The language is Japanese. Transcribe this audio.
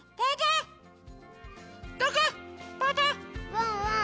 ワンワン